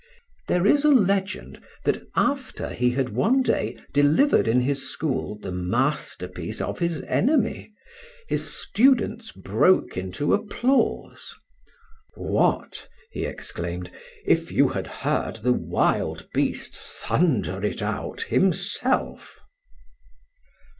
There is a legend that after he had one day delivered in his school the masterpiece of his enemy, his students broke into applause: "What," he exclaimed, "if you had heard the wild beast thunder it out himself!"